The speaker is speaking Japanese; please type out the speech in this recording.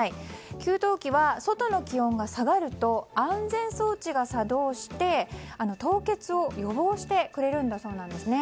給湯器は外の気温が下がると、安全装置が作動して凍結を予防してくれるんだそうです。